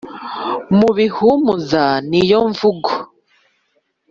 Mu bihumuza niyo mvugo